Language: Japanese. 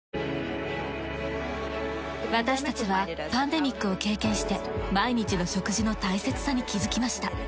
私たちはパンデミックを経験して毎日の食事の大切さに気づきました。